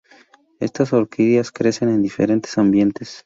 Estas orquídeas crecen en diferentes ambientes.